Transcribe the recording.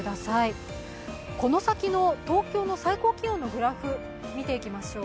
この先の東京の最高気温のグラフ見ていきましょう。